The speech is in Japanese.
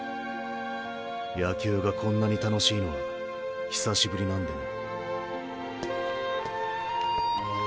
野球がこんなに楽しいのは久しぶりなんでね。